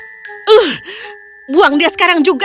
hmm buang dia sekarang juga